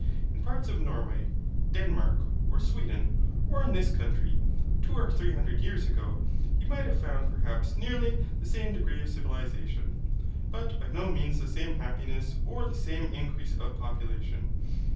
In parts of Norway, Denmark, or Sweden, or in this country, two or three hundred years ago, he might have found perhaps nearly the same degree of civilization, but by no means the same happiness or the same increase of population.